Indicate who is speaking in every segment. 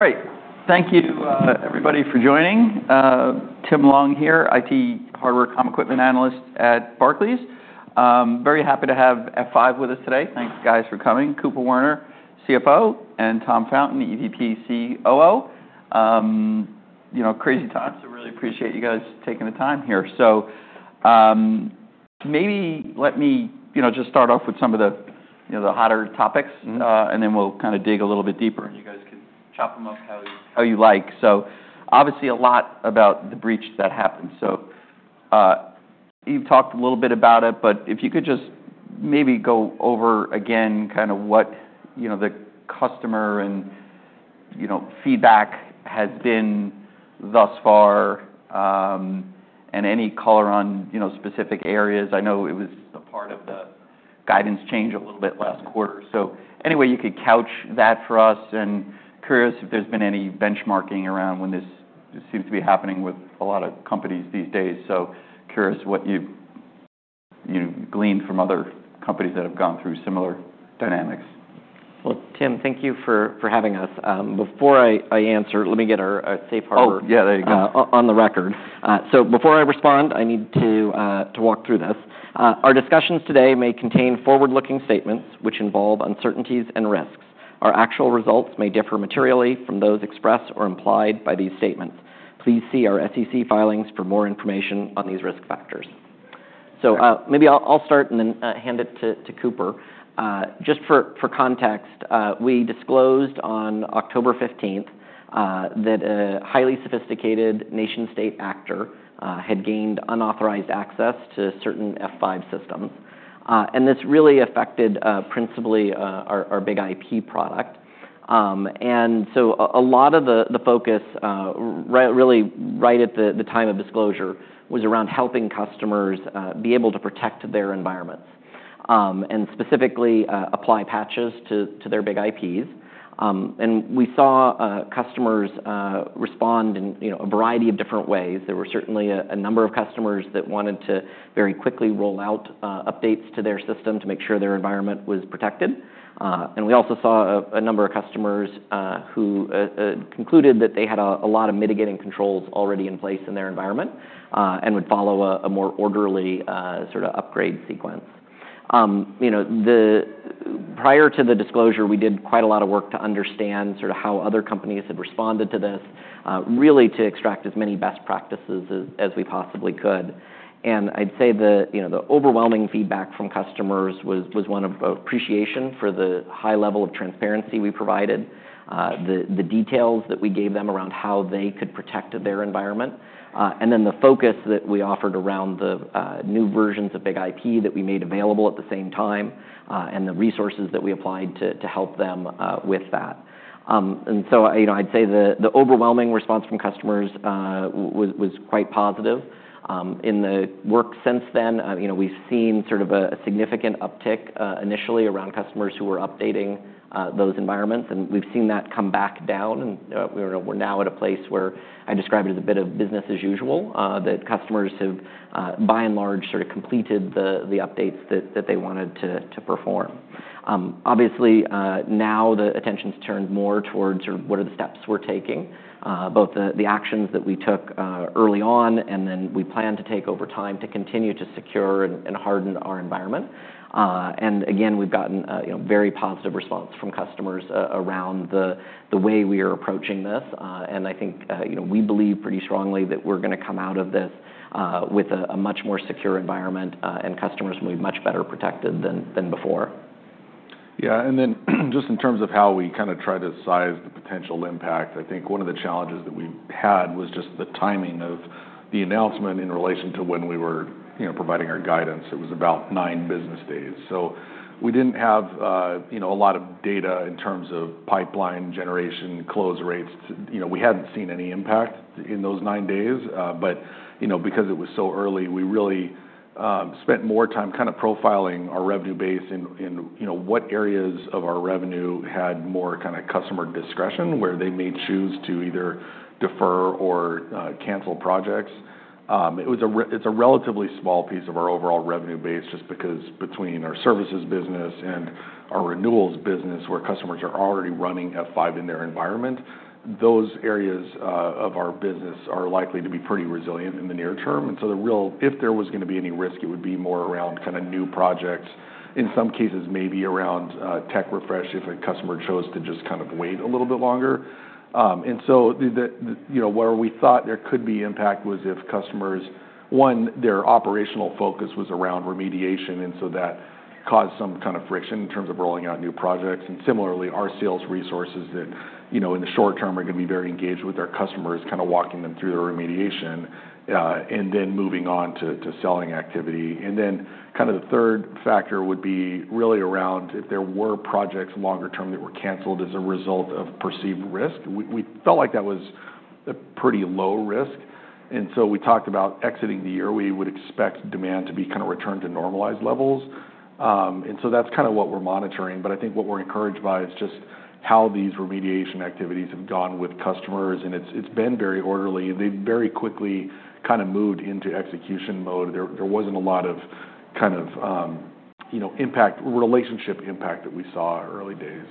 Speaker 1: Great. Thank you, everybody, for joining. Tim Long here, IT Hardware Comm Equipment Analyst at Barclays. Very happy to have F5 with us today. Thanks, guys, for coming. Cooper Werner, CFO, and Tom Fountain, EVP, COO. You know, crazy time, so really appreciate you guys taking the time here, so maybe let me, you know, just start off with some of the, you know, the hotter topics.
Speaker 2: Mm-hmm.
Speaker 1: Then we'll kinda dig a little bit deeper. And you guys can chop them up how you. So, obviously, a lot about the breach that happened. So, you've talked a little bit about it, but if you could just maybe go over again kinda what, you know, the customer and, you know, feedback has been thus far, and any color on, you know, specific areas. I know it was a part of the guidance change a little bit last quarter. So, anyway, you could couch that for us. Curious if there's been any benchmarking around when this seems to be happening with a lot of companies these days? So, curious what you, you know, gleaned from other companies that have gone through similar dynamics?
Speaker 2: Tim, thank you for having us. Before I answer, let me get our Safe Harbor.
Speaker 1: Oh, yeah, there you go.
Speaker 2: On the record. So before I respond, I need to walk through this. Our discussions today may contain forward-looking statements which involve uncertainties and risks. Our actual results may differ materially from those expressed or implied by these statements. Please see our SEC filings for more information on these risk factors. So, maybe I'll start and then hand it to Cooper. Just for context, we disclosed on October 15th that a highly sophisticated nation-state actor had gained unauthorized access to certain F5 systems. And this really affected principally our BIG-IP product. And so a lot of the focus really right at the time of disclosure was around helping customers be able to protect their environments, and specifically, apply patches to their BIG-IPs. And we saw customers respond in, you know, a variety of different ways. There were certainly a number of customers that wanted to very quickly roll out updates to their system to make sure their environment was protected, and we also saw a number of customers who concluded that they had a lot of mitigating controls already in place in their environment, and would follow a more orderly sort of upgrade sequence. You know, prior to the disclosure, we did quite a lot of work to understand sort of how other companies had responded to this, really to extract as many best practices as we possibly could. And I'd say, you know, the overwhelming feedback from customers was one of appreciation for the high level of transparency we provided, the details that we gave them around how they could protect their environment, and then the focus that we offered around the new versions of BIG-IP that we made available at the same time, and the resources that we applied to help them with that. And so, you know, I'd say the overwhelming response from customers was quite positive. In the work since then, you know, we've seen sort of a significant uptick initially around customers who were updating those environments. We've seen that come back down. We're now at a place where I describe it as a bit of business as usual that customers have, by and large, sort of completed the updates that they wanted to perform. Obviously, now the attention's turned more towards sort of what are the steps we're taking, both the actions that we took early on, and then we plan to take over time to continue to secure and harden our environment. Again, we've gotten, you know, very positive response from customers around the way we are approaching this. I think, you know, we believe pretty strongly that we're gonna come out of this with a much more secure environment, and customers will be much better protected than before.
Speaker 3: Yeah, and then just in terms of how we kinda try to size the potential impact, I think one of the challenges that we had was just the timing of the announcement in relation to when we were, you know, providing our guidance. It was about nine business days, so we didn't have, you know, a lot of data in terms of pipeline generation, close rates. You know, we hadn't seen any impact in those nine days, but you know, because it was so early, we really spent more time kinda profiling our revenue base in you know, what areas of our revenue had more kinda customer discretion where they may choose to either defer or cancel projects. It's a relatively small piece of our overall revenue base just because between our services business and our renewals business, where customers are already running F5 in their environment, those areas of our business are likely to be pretty resilient in the near term, and so the real if there was gonna be any risk, it would be more around kinda new projects, in some cases maybe around tech refresh if a customer chose to just kind of wait a little bit longer, and so the you know where we thought there could be impact was if customers one their operational focus was around remediation, and so that caused some kinda friction in terms of rolling out new projects. Similarly, our sales resources that, you know, in the short term are gonna be very engaged with our customers, kinda walking them through the remediation, and then moving on to selling activity. And then kinda the third factor would be really around if there were projects longer term that were canceled as a result of perceived risk. We felt like that was a pretty low risk. We talked about exiting the year. We would expect demand to be kinda returned to normalized levels. That's kinda what we're monitoring. But I think what we're encouraged by is just how these remediation activities have gone with customers. It's been very orderly. They've very quickly kinda moved into execution mode. There wasn't a lot of kind of, you know, relationship impact that we saw early days.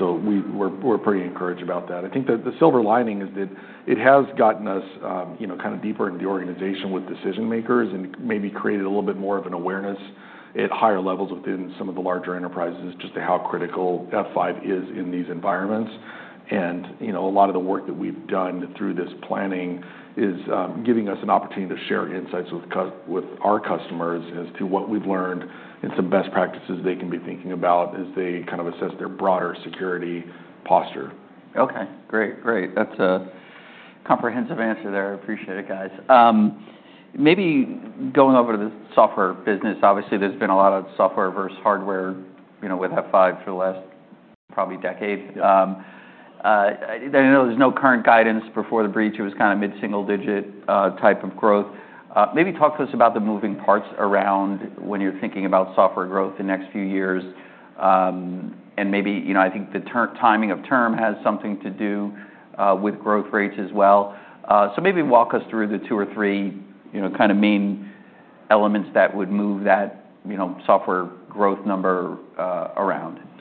Speaker 3: We were, we're pretty encouraged about that. I think that the silver lining is that it has gotten us, you know, kinda deeper into the organization with decision makers and maybe created a little bit more of an awareness at higher levels within some of the larger enterprises as to how critical F5 is in these environments. And, you know, a lot of the work that we've done through this planning is giving us an opportunity to share insights with our customers as to what we've learned and some best practices they can be thinking about as they kind of assess their broader security posture.
Speaker 1: Okay. Great. Great. That's a comprehensive answer there. I appreciate it, guys. Maybe going over to the software business, obviously, there's been a lot of software versus hardware, you know, with F5 for the last probably decade. I know there's no current guidance before the breach. It was kinda mid-single-digit type of growth. Maybe talk to us about the moving parts around when you're thinking about software growth the next few years, and maybe, you know, I think the term timing of term has something to do with growth rates as well, so maybe walk us through the two or three, you know, kinda main elements that would move that, you know, software growth number around.
Speaker 3: Yeah.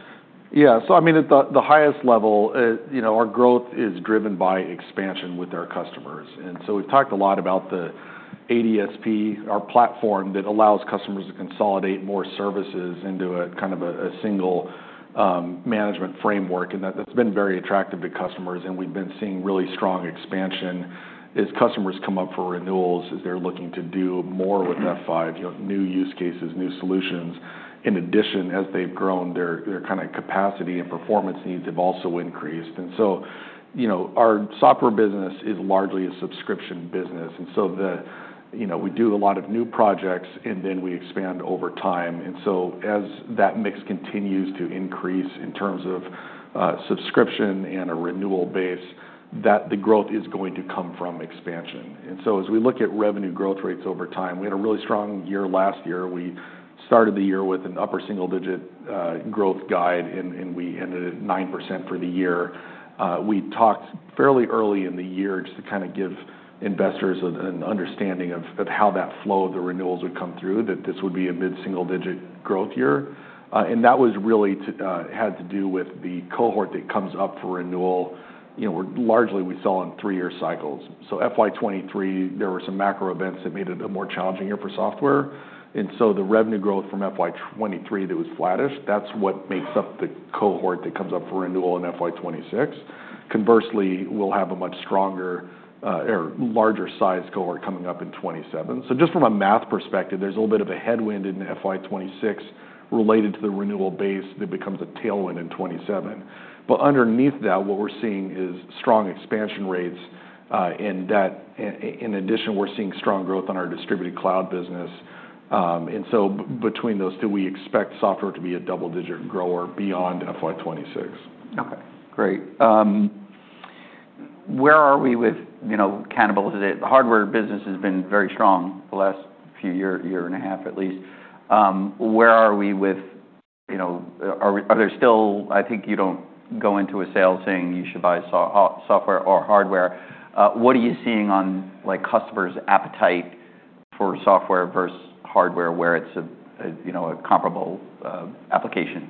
Speaker 3: So, I mean, at the highest level, you know, our growth is driven by expansion with our customers. And so we've talked a lot about the ADSP, our platform that allows customers to consolidate more services into a kind of a single management framework. That's been very attractive to customers. We've been seeing really strong expansion as customers come up for renewals, as they're looking to do more with F5, you know, new use cases, new solutions. In addition, as they've grown, their kinda capacity and performance needs have also increased. And so, you know, our software business is largely a subscription business. And so, you know, we do a lot of new projects, and then we expand over time. As that mix continues to increase in terms of subscription and a renewal base, that the growth is going to come from expansion. As we look at revenue growth rates over time, we had a really strong year last year. We started the year with an upper single-digit growth guide, and we ended at 9% for the year. We talked fairly early in the year just to kinda give investors an understanding of how that flow of the renewals would come through, that this would be a mid-single-digit growth year. That was really, had to do with the cohort that comes up for renewal. You know, we largely sell in three-year cycles. So FY 2023, there were some macro events that made it a more challenging year for software. And so the revenue growth from FY 2023 that was flattish, that's what makes up the cohort that comes up for renewal in FY 2026. Conversely, we'll have a much stronger, or larger size cohort coming up in 2027. So just from a math perspective, there's a little bit of a headwind in FY 2026 related to the renewal base that becomes a tailwind in 2027. But underneath that, what we're seeing is strong expansion rates, and that, in addition, we're seeing strong growth on our Distributed Cloud business. And so between those two, we expect software to be a double-digit grower beyond FY 2026.
Speaker 1: Okay. Great. Where are we with, you know, cannibalization? The hardware business has been very strong the last few years, year and a half at least. Where are we with, you know, are we there still? I think you don't go into a sale saying you should buy software or hardware. What are you seeing on, like, customers' appetite for software versus hardware where it's a, you know, a comparable application?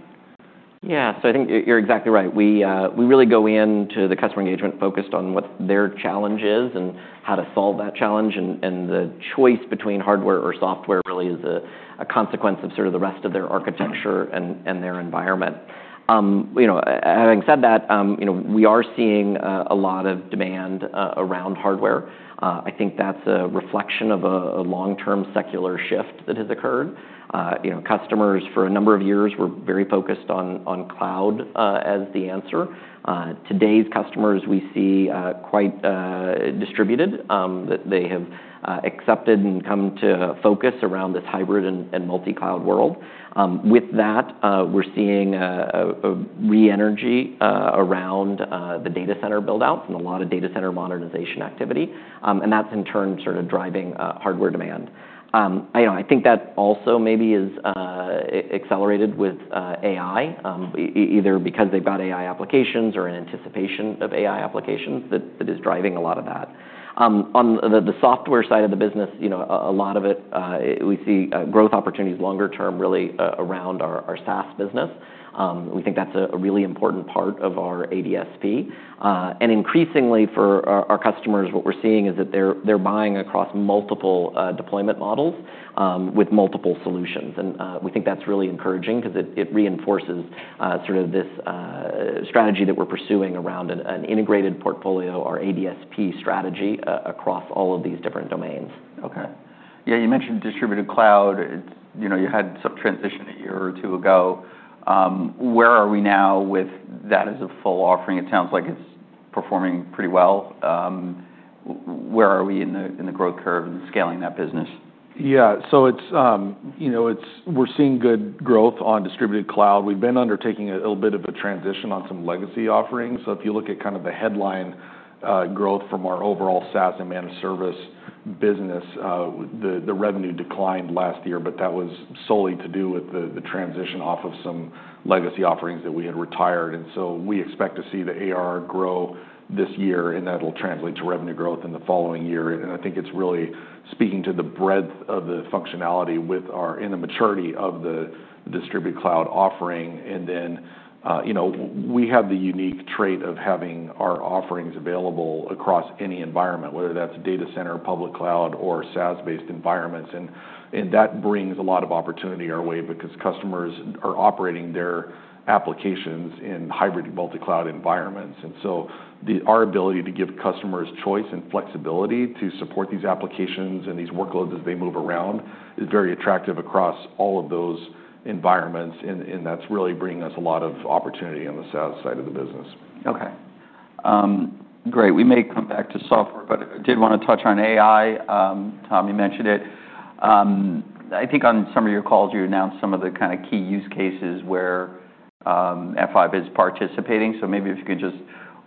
Speaker 2: Yeah. So I think you're exactly right. We really go into the customer engagement focused on what their challenge is and how to solve that challenge. And the choice between hardware or software really is a consequence of sort of the rest of their architecture and their environment. You know, having said that, you know, we are seeing a lot of demand around hardware. I think that's a reflection of a long-term secular shift that has occurred. You know, customers for a number of years were very focused on cloud as the answer. Today's customers we see quite distributed, that they have accepted and come to focus around this hybrid and multi-cloud world. With that, we're seeing a renewed energy around the data center buildouts and a lot of data center modernization activity. And that's in turn sort of driving hardware demand. You know, I think that also maybe is accelerated with AI, either because they've got AI applications or in anticipation of AI applications that is driving a lot of that. On the software side of the business, you know, a lot of it we see growth opportunities longer term really around our SaaS business. We think that's a really important part of our ADSP, and increasingly for our customers, what we're seeing is that they're buying across multiple deployment models with multiple solutions, and we think that's really encouraging 'cause it reinforces sort of this strategy that we're pursuing around an integrated portfolio, our ADSP strategy, across all of these different domains.
Speaker 1: Okay. Yeah. You mentioned Distributed Cloud. It's, you know, you had some transition a year or two ago. Where are we now with that as a full offering? It sounds like it's performing pretty well. Where are we in the growth curve and scaling that business?
Speaker 3: Yeah. So it's, you know, we're seeing good growth on Distributed Cloud. We've been undertaking a little bit of a transition on some legacy offerings. So if you look at kind of the headline growth from our overall SaaS and managed service business, the revenue declined last year, but that was solely to do with the transition off of some legacy offerings that we had retired. And so we expect to see the ARR grow this year, and that'll translate to revenue growth in the following year. I think it's really speaking to the breadth of the functionality with our and the maturity of the Distributed Cloud offering. And then, you know, we have the unique trait of having our offerings available across any environment, whether that's data center, public cloud, or SaaS-based environments. That brings a lot of opportunity our way because customers are operating their applications in hybrid multi-cloud environments. Our ability to give customers choice and flexibility to support these applications and these workloads as they move around is very attractive across all of those environments. That's really bringing us a lot of opportunity on the SaaS side of the business.
Speaker 1: Okay. Great. We may come back to software, but I did wanna touch on AI. Tom, you mentioned it. I think on some of your calls, you announced some of the kinda key use cases where F5 is participating. So maybe if you could just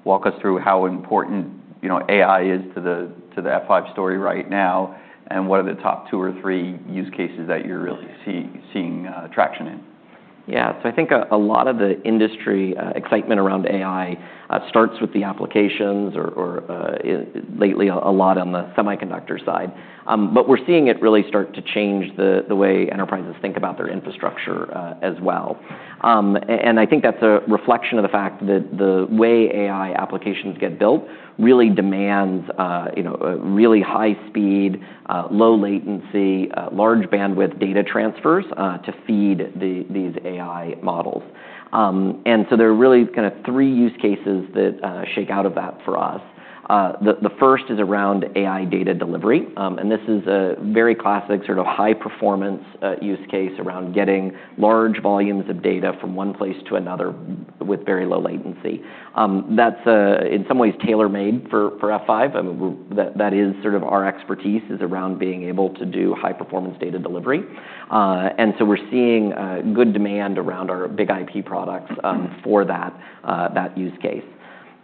Speaker 1: walk us through how important, you know, AI is to the F5 story right now and what are the top two or three use cases that you're really seeing traction in.
Speaker 2: Yeah, so I think a lot of the industry excitement around AI starts with the applications or lately a lot on the semiconductor side, but we're seeing it really start to change the way enterprises think about their infrastructure, as well. I think that's a reflection of the fact that the way AI applications get built really demands, you know, really high speed, low latency, large bandwidth data transfers to feed these AI models, so there are really kinda three use cases that shake out of that for us. The first is around AI Data Delivery. This is a very classic sort of high performance use case around getting large volumes of data from one place to another with very low latency. That's, in some ways, tailor-made for F5. I mean, we're that. That is sort of our expertise is around being able to do high performance data delivery, and so we're seeing good demand around our BIG-IP products for that use case.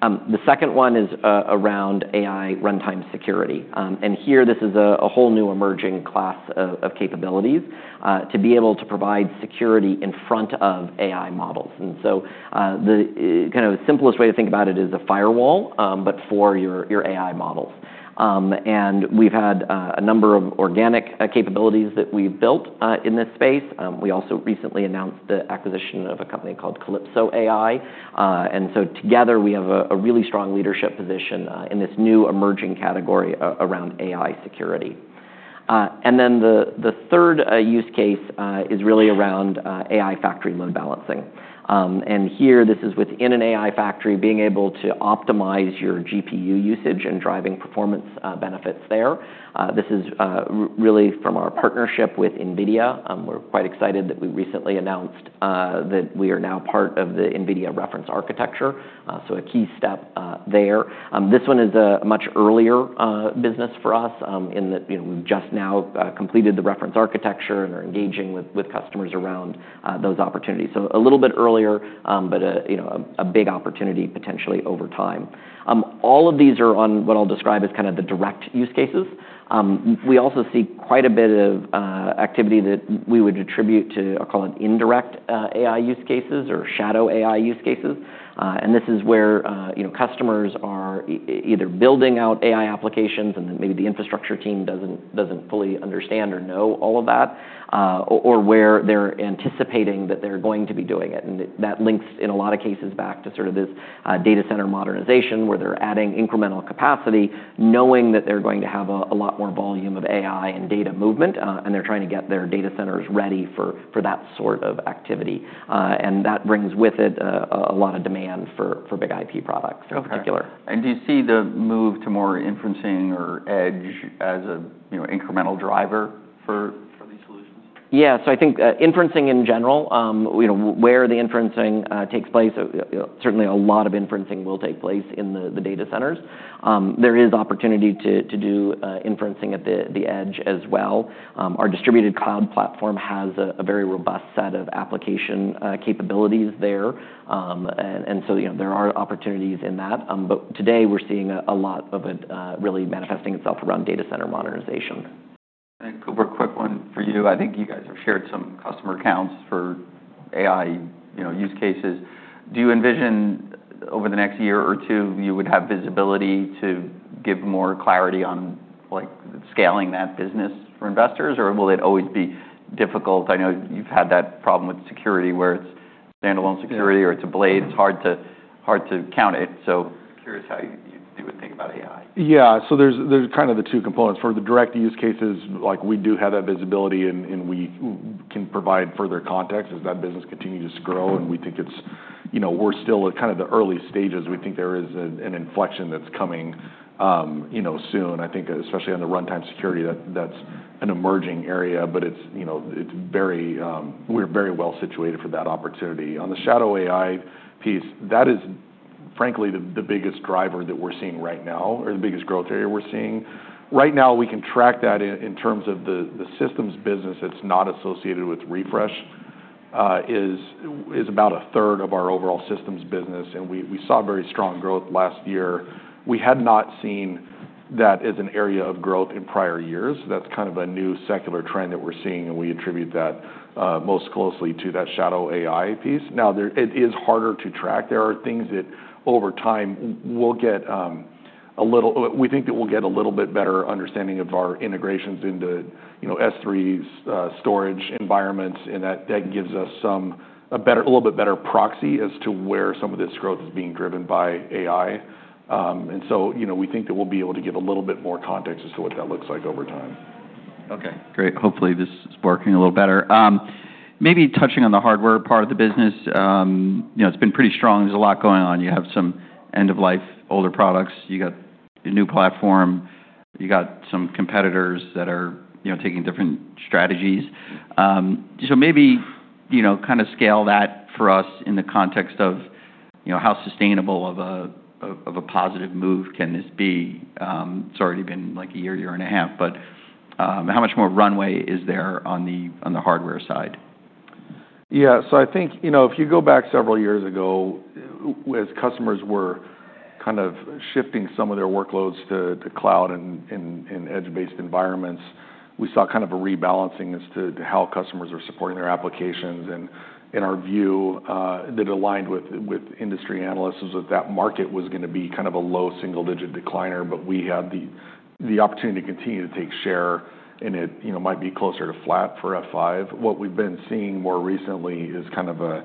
Speaker 2: The second one is around AI Runtime Security, and here this is a whole new emerging class of capabilities to be able to provide security in front of AI models, and so the kind of simplest way to think about it is a firewall, but for your AI models, and we've had a number of organic capabilities that we've built in this space. We also recently announced the acquisition of a company called CalypsoAI, and so together we have a really strong leadership position in this new emerging category around AI security, and then the third use case is really around AI Factory Load Balancing. Here, this is within an AI factory being able to optimize your GPU usage and driving performance. Benefits there. This is really from our partnership with NVIDIA. We're quite excited that we recently announced that we are now part of the NVIDIA reference architecture. So a key step there. This one is a much earlier business for us, in that you know, we've just now completed the reference architecture and are engaging with customers around those opportunities. So a little bit earlier, but you know, a big opportunity potentially over time. All of these are on what I'll describe as kinda the direct use cases. We also see quite a bit of activity that we would attribute to. I'll call it Indirect AI use cases or Shadow AI use cases. This is where, you know, customers are either building out AI applications and then maybe the infrastructure team doesn't fully understand or know all of that, or where they're anticipating that they're going to be doing it. And that links in a lot of cases back to sort of this data center modernization where they're adding incremental capacity knowing that they're going to have a lot more volume of AI and data movement, and they're trying to get their data centers ready for that sort of activity. That brings with it a lot of demand for BIG-IP products in particular.
Speaker 1: Okay, and do you see the move to more inferencing or edge as a, you know, incremental driver for these solutions?
Speaker 2: Yeah, so I think inferencing in general, you know, where the inferencing takes place, certainly a lot of inferencing will take place in the data centers. There is opportunity to do inferencing at the edge as well. Our Distributed Cloud Platform has a very robust set of application capabilities there, and so, you know, there are opportunities in that, but today we're seeing a lot of it really manifesting itself around data center modernization.
Speaker 1: Cooper, quick one for you. I think you guys have shared some customer accounts for AI, you know, use cases. Do you envision over the next year or two, you would have visibility to give more clarity on, like, scaling that business for investors, or will it always be difficult? I know you've had that problem with security where it's standalone security or it's a blade. It's hard to count it. So curious how you would think about AI?
Speaker 3: Yeah, so there's kinda the two components. For the direct use cases, like, we do have that visibility, and we can provide further context as that business continues to grow. And we think, you know, we're still at kinda the early stages. We think there is an inflection that's coming, you know, soon. I think, especially on the runtime security, that's an emerging area, but you know, we're very well situated for that opportunity. On the Shadow AI piece, that is frankly the biggest driver that we're seeing right now or the biggest growth area we're seeing. Right now, we can track that in terms of the systems business that's not associated with refresh is about a third of our overall systems business. And we saw very strong growth last year. We had not seen that as an area of growth in prior years. That's kind of a new secular trend that we're seeing, and we attribute that most closely to that Shadow AI piece. Now, there, it is harder to track. There are things that over time, we think that we'll get a little bit better understanding of our integrations into, you know, S3s, storage environments, and that gives us a little bit better proxy as to where some of this growth is being driven by AI, and so, you know, we think that we'll be able to give a little bit more context as to what that looks like over time.
Speaker 1: Okay. Great. Hopefully, this is working a little better. Maybe touching on the hardware part of the business, you know, it's been pretty strong. There's a lot going on. You have some end-of-life older products. You got a new platform. You got some competitors that are, you know, taking different strategies, so maybe, you know, kinda scale that for us in the context of, you know, how sustainable of a positive move can this be? It's already been like a year, year and a half, but how much more runway is there on the hardware side?
Speaker 3: Yeah, so I think, you know, if you go back several years ago, whereas customers were kind of shifting some of their workloads to cloud and edge-based environments, we saw kind of a rebalancing as to how customers are supporting their applications, and in our view, that aligned with industry analysts was that that market was gonna be kind of a low single-digit decliner, but we had the opportunity to continue to take share in it, you know, might be closer to flat for F5. What we've been seeing more recently is kind of a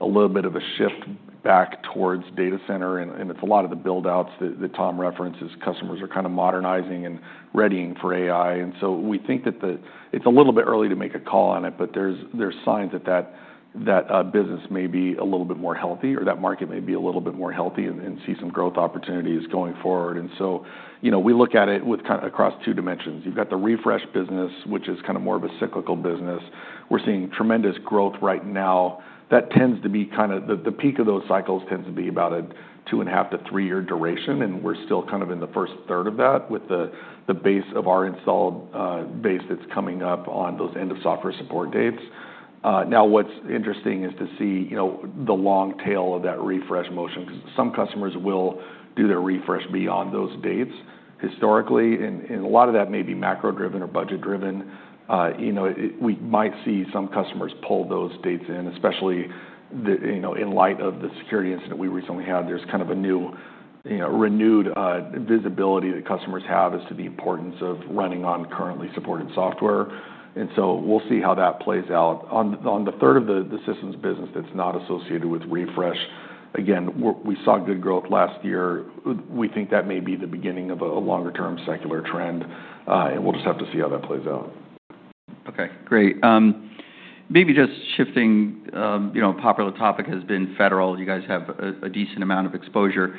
Speaker 3: little bit of a shift back towards data center, and it's a lot of the buildouts that Tom references, customers are kinda modernizing and readying for AI. We think that it's a little bit early to make a call on it, but there's signs that that business may be a little bit more healthy or that market may be a little bit more healthy and see some growth opportunities going forward. And so, you know, we look at it with kinda across two dimensions. You've got the refresh business, which is kinda more of a cyclical business. We're seeing tremendous growth right now. That tends to be kinda the peak of those cycles tends to be about a two and a half to three-year duration, and we're still kind of in the first third of that with the base of our installed base that's coming up on those end-of-software support dates. Now what's interesting is to see, you know, the long tail of that refresh motion 'cause some customers will do their refresh beyond those dates historically. A lot of that may be macro-driven or budget-driven. You know, we might see some customers pull those dates in, especially, you know, in light of the security incident we recently had. There's kind of a new, you know, renewed visibility that customers have as to the importance of running on currently supported software, and so we'll see how that plays out. On the third of the systems business that's not associated with refresh, again, we saw good growth last year. We think that may be the beginning of a longer-term secular trend, and we'll just have to see how that plays out.
Speaker 1: Okay. Great. Maybe just shifting, you know, a popular topic has been federal. You guys have a decent amount of exposure.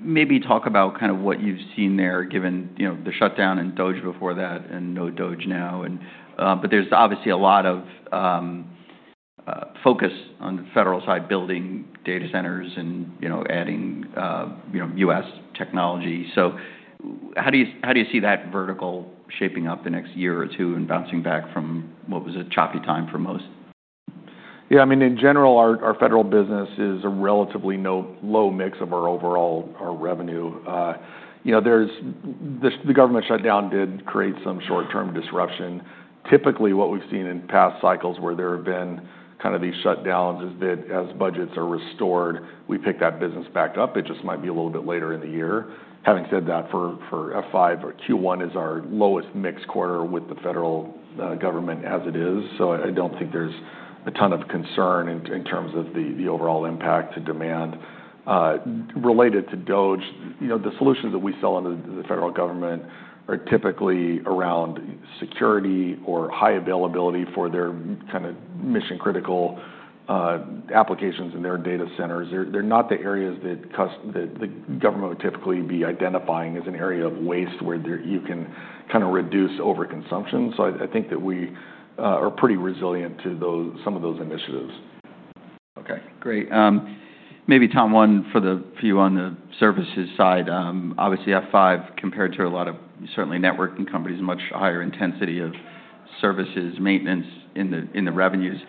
Speaker 1: Maybe talk about kind of what you've seen there given, you know, the shutdown and DOGE before that and no DOGE now. But there's obviously a lot of focus on the federal side building data centers and, you know, adding, you know, U.S. technology. So how do you see that vertical shaping up the next year or two and bouncing back from what was a choppy time for most?
Speaker 3: Yeah. I mean, in general, our federal business is a relatively low mix of our overall revenue. You know, the government shutdown did create some short-term disruption. Typically, what we've seen in past cycles where there have been kinda these shutdowns is that as budgets are restored, we pick that business back up. It just might be a little bit later in the year. Having said that, for F5, Q1 is our lowest mix quarter with the federal government as it is. So I don't think there's a ton of concern in terms of the overall impact to demand. Related to DOGE, you know, the solutions that we sell under the federal government are typically around security or high availability for their kinda mission-critical applications in their data centers. They're not the areas that cuts that the government would typically be identifying as an area of waste where you can kinda reduce overconsumption. So I think that we are pretty resilient to those, some of those initiatives.
Speaker 1: Okay. Great. Maybe Tom, one of the few on the services side. Obviously, F5 compared to a lot of certainly networking companies, much higher intensity of services, maintenance in the revenues.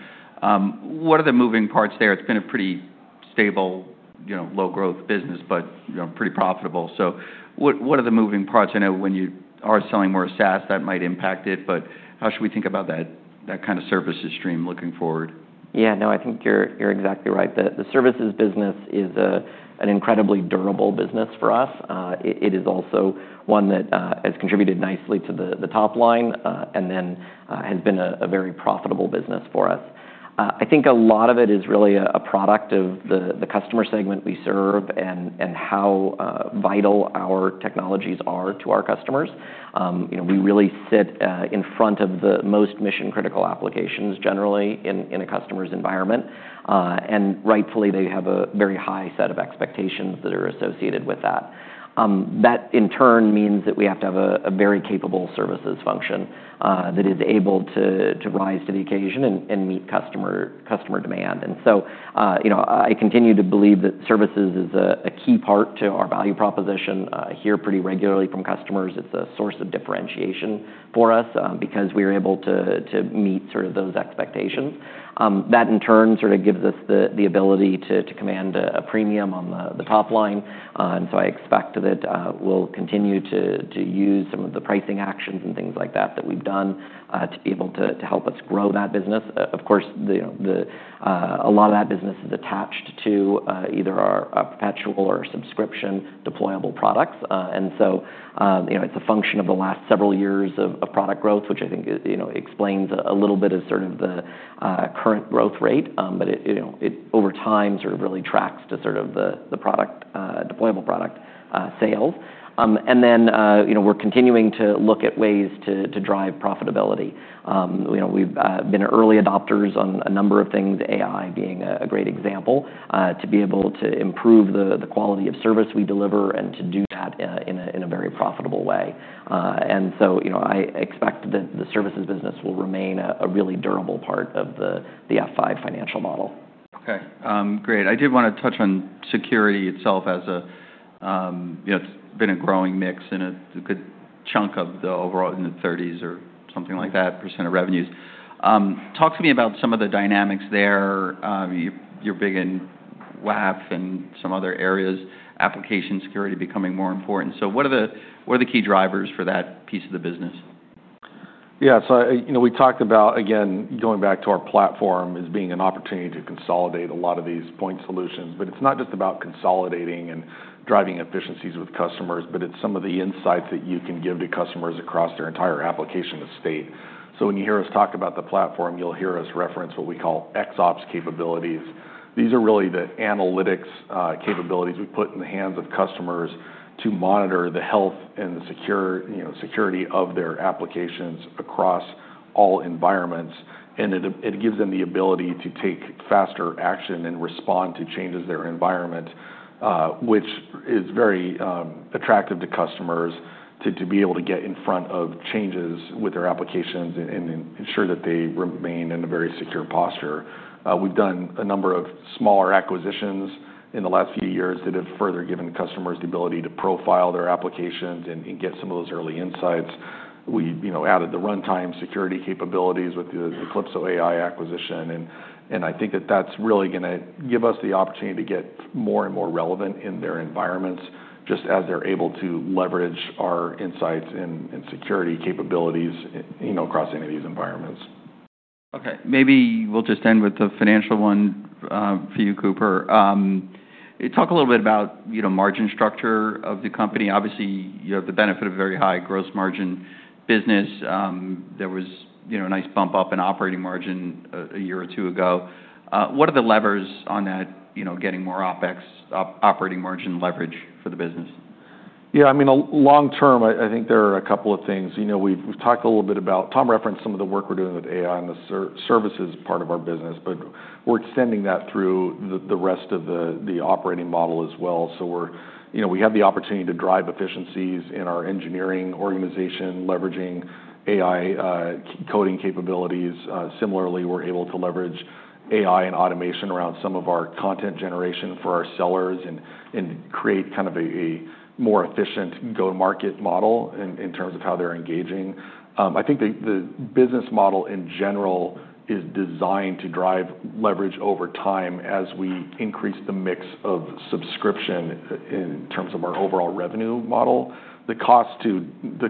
Speaker 1: What are the moving parts there? It's been a pretty stable, you know, low-growth business, but, you know, pretty profitable. So what, what are the moving parts? I know when you are selling more SaaS, that might impact it, but how should we think about that kinda services stream looking forward?
Speaker 2: Yeah. No, I think you're exactly right. The services business is an incredibly durable business for us. It is also one that has contributed nicely to the top line, and then has been a very profitable business for us. I think a lot of it is really a product of the customer segment we serve and how vital our technologies are to our customers. You know, we really sit in front of the most mission-critical applications generally in a customer's environment, and rightfully they have a very high set of expectations that are associated with that. That in turn means that we have to have a very capable services function that is able to rise to the occasion and meet customer demand. So, you know, I continue to believe that services is a key part to our value proposition. I hear pretty regularly from customers it's a source of differentiation for us, because we are able to meet sort of those expectations. That in turn sort of gives us the ability to command a premium on the top line. I expect that we'll continue to use some of the pricing actions and things like that that we've done, to be able to help us grow that business. Of course, you know, a lot of that business is attached to either our perpetual or subscription deployable products. So, you know, it's a function of the last several years of product growth, which I think, you know, explains a little bit of sort of the current growth rate. But it, you know, over time sort of really tracks to sort of the product deployable product sales. And then, you know, we're continuing to look at ways to drive profitability. You know, we've been early adopters on a number of things, AI being a great example to be able to improve the quality of service we deliver and to do that in a very profitable way. And so, you know, I expect that the services business will remain a really durable part of the F5 financial model.
Speaker 1: Okay. Great. I did wanna touch on security itself as a, you know, it's been a growing mix and a good chunk of the overall in the 30s or something like that % of revenues. Talk to me about some of the dynamics there. You're big in WAF and some other areas, application security becoming more important. So what are the key drivers for that piece of the business?
Speaker 3: Yeah, so I, you know, we talked about, again, going back to our platform as being an opportunity to consolidate a lot of these point solutions, but it's not just about consolidating and driving efficiencies with customers, but it's some of the insights that you can give to customers across their entire application estate, so when you hear us talk about the platform, you'll hear us reference what we call XOps capabilities. These are really the analytics capabilities we put in the hands of customers to monitor the health and the, you know, security of their applications across all environments, and it gives them the ability to take faster action and respond to changes in their environment, which is very attractive to customers to be able to get in front of changes with their applications and ensure that they remain in a very secure posture. We've done a number of smaller acquisitions in the last few years that have further given customers the ability to profile their applications and get some of those early insights. We, you know, added the runtime security capabilities with the CalypsoAI acquisition, and I think that's really gonna give us the opportunity to get more and more relevant in their environments just as they're able to leverage our insights and security capabilities, you know, across any of these environments.
Speaker 1: Okay. Maybe we'll just end with the financial one, for you, Cooper. Talk a little bit about, you know, margin structure of the company. Obviously, you have the benefit of a very high gross margin business. There was, you know, a nice bump up in operating margin a year or two ago. What are the levers on that, you know, getting more OpEx, operating margin leverage for the business?
Speaker 3: Yeah. I mean, a long-term, I think there are a couple of things. You know, we've talked a little bit about Tom referenced some of the work we're doing with AI on the services part of our business, but we're extending that through the rest of the operating model as well. So, you know, we have the opportunity to drive efficiencies in our engineering organization, leveraging AI coding capabilities. Similarly, we're able to leverage AI and automation around some of our content generation for our sellers and create kind of a more efficient go-to-market model in terms of how they're engaging. I think the business model in general is designed to drive leverage over time as we increase the mix of subscription in terms of our overall revenue model. The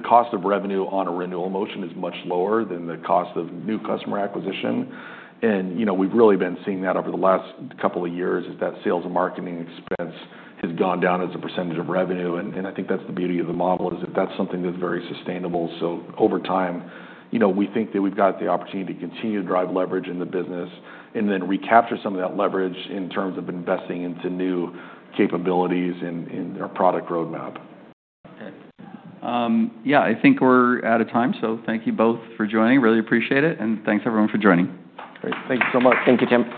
Speaker 3: cost of revenue on a renewal motion is much lower than the cost of new customer acquisition. And, you know, we've really been seeing that over the last couple of years is that sales and marketing expense has gone down as a percentage of revenue. And I think that's the beauty of the model is that that's something that's very sustainable. So over time, you know, we think that we've got the opportunity to continue to drive leverage in the business and then recapture some of that leverage in terms of investing into new capabilities and our product roadmap.
Speaker 1: Okay. Yeah, I think we're out of time, so thank you both for joining. Really appreciate it, and thanks everyone for joining.
Speaker 3: Great. Thank you so much.
Speaker 2: Thank you, Tim.